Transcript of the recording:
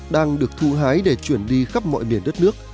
đang được thu hái để chuyển đi khắp mọi miền đất nước